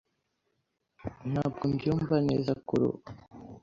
Ntabwo mbyumva neza kurubu.